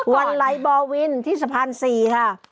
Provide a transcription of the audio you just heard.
วันไหลบอวินที่สะพาน๔ค่ะ